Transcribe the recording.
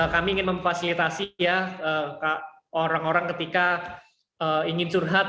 kami ingin memfasilitasi ya orang orang ketika ingin curhat